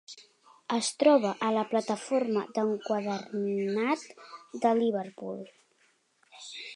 Es troba a la plataforma d'enquadernat de Liverpool.